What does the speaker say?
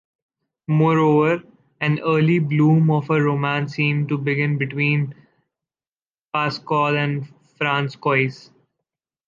Moreover, an early bloom of a romance seemed to begin between Pascaud and Françoise.